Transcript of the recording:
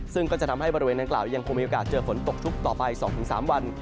ซึ่งก็จะทำให้บริเวณนางกล่าวยังคงมีโอกาสเจอฝนตกชุกต่อไป๒๓วัน